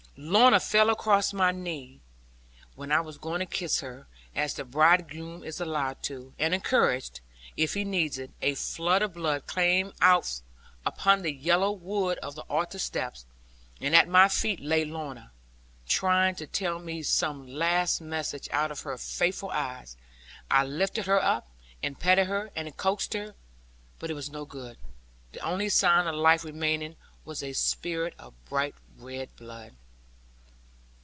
Lorna fell across my knees when I was going to kiss her, as the bridegroom is allowed to do, and encouraged, if he needs it; a flood of blood came out upon the yellow wood of the altar steps, and at my feet lay Lorna, trying to tell me some last message out of her faithful eyes. I lifted her up, and petted her, and coaxed her, but it was no good; the only sign of life remaining was a spirt of bright red blood.